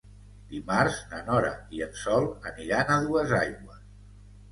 Dimarts na Nora i en Sol aniran a Duesaigües.